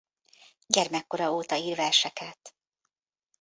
Gyermekkora óta ír verseket.